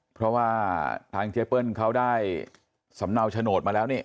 เพราะว่าทางเจ๊เปิ้ลเขาได้สำเนาโฉนดมาแล้วนี่